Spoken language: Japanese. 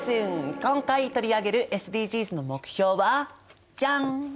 今回取り上げるＳＤＧｓの目標はじゃん！